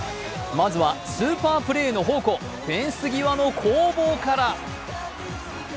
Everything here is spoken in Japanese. まずはスーパープレーの宝庫、フェンス際の攻防から。